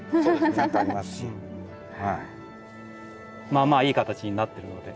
まあまあいい形になってるので。